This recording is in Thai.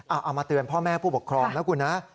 เอามาเตือนพ่อแม่ผู้ปกครองนะคุณนะ